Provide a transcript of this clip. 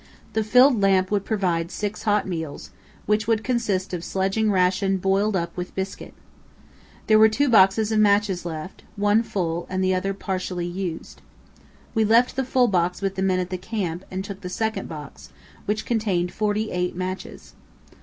The filled lamp would provide six hot meals, which would consist of sledging ration boiled up with biscuit. There were two boxes of matches left, one full and the other partially used. We left the full box with the men at the camp and took the second box, which contained forty eight matches.